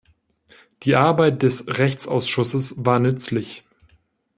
Die Arbeit des Rechtsausschusses war nützlich.